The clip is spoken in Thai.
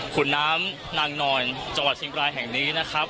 คุณน้ำนางนอนจังหวัดเชียงบรายแห่งนี้นะครับ